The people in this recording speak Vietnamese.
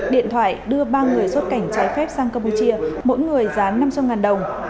điện thoại đưa ba người xuất cảnh trái phép sang campuchia mỗi người giá năm trăm linh đồng